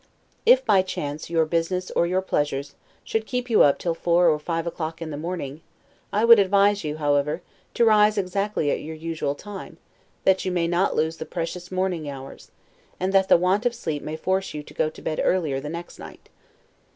If, by chance, your business, or your pleasures, should keep you up till four or five o'clock in the morning, I would advise you, however, to rise exactly at your usual time, that you may not lose the precious morning hours; and that the want of sleep may force you to go to bed earlier the next night.